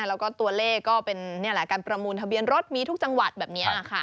แล้วก็ตัวเลขก็เป็นการประมูลทะเบียนรถมีทุกจังหวัดแบบนี้ค่ะ